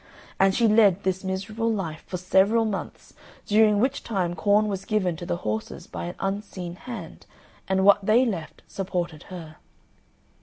And she led this miserable life for several months, during which time corn was given to the horses by an unseen hand, and what they left supported her.